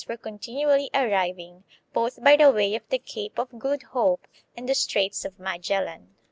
were continually arriving, both by the way of the Cape of Good Hope and the Straits of Magellan.